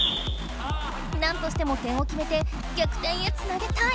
なんとしても点をきめてぎゃくてんへつなげたい！